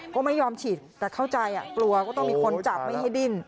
ก็ไม่ยอมฉีดแต่เข้าใจกลัวก็ต้องมีคนจับไม่ให้ดิ้น